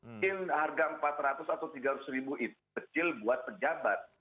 mungkin harga empat ratus atau tiga ratus ribu itu kecil buat pejabat